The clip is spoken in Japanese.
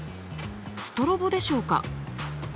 ストロボでしょうか？